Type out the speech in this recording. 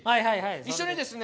一緒にですね